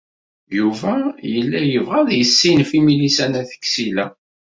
Yuba yella yebɣa ad yessinef i Milisa n At Ksila.